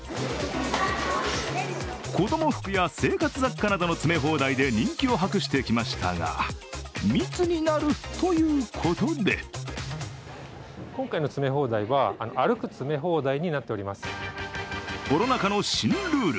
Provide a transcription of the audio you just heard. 子供服や生活雑貨などの詰め放題で人気を博してきましたが密になるということでコロナ禍の新ルール。